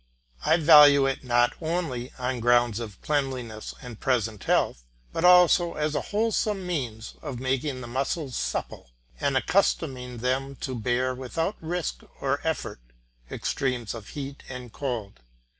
I value it not only on grounds of cleanliness and present health, but also as a wholesome means of making the muscles supple, and accustoming them to bear without risk or effort extremes of heat and cold.